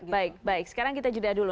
baik baik sekarang kita jeda dulu